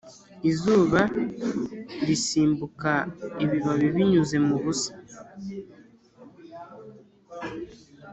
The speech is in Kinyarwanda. izuba risimbuka ibibabi binyuze mubusa